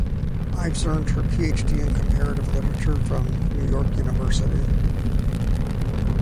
Ives earned her PhD in comparative literature from New York University.